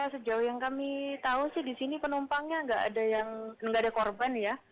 sejauh yang kami tahu sih di sini penumpangnya nggak ada korban ya